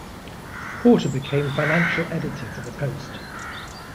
Porter became financial editor for the "Post".